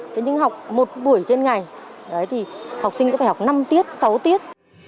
thế nhưng học một buổi trên ngày thì học sinh sẽ phải học năm tiết sáu tiết